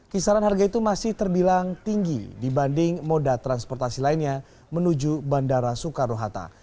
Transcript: kisaran harga itu masih terbilang tinggi dibanding moda transportasi lainnya menuju bandara soekarno hatta